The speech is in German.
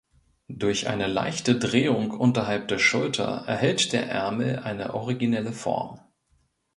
Durch eine leichte Drehung unterhalb der Schulter erhält der Ärmel eine originelle Form.